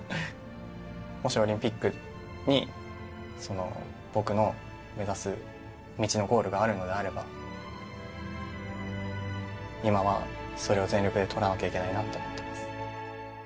もしオリンピックに僕の目指す道のゴールがあるのであれば今はそれを全力で取らなきゃいけないなと思ってます。